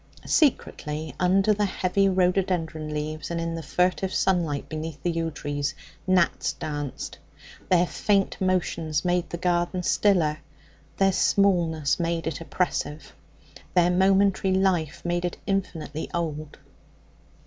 Secretly, under the heavy rhododendron leaves and in the furtive sunlight beneath the yew trees, gnats danced. Their faint motions made the garden stiller; their smallness made it oppressive; their momentary life made it infinitely old.